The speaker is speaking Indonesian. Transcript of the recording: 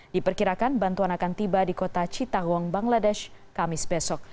di perkirakan bantuan akan tiba di kota cittagong bangladesh kamis besok